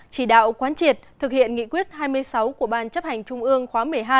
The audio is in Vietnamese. chỉ đạo quán triệt thực hiện nghị quyết hai mươi sáu của ban chấp hành trung ương khóa một mươi hai